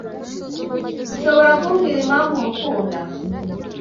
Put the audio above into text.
Ushobora kumbwira impamvu umukunda?